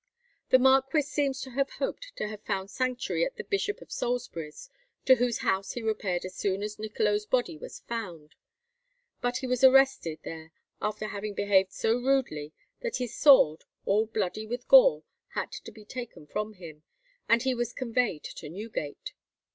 The marquis seems to have hoped to have found sanctuary at the Bishop of Salisbury's, to whose house he repaired as soon as Niccolo's body was found. But he was arrested there after having behaved so rudely, that his sword, all bloody with gore, had to be taken from him, and he was conveyed to Newgate.